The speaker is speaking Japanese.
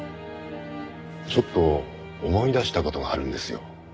ちょっと思い出した事があるんですよ。